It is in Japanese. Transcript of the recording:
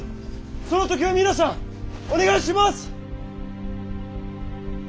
その時は皆さんお願いします！